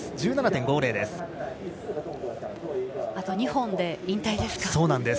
あと２本で引退ですか。